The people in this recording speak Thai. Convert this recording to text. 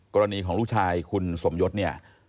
กรณีของลูกชายคุณสมยศเนี่ย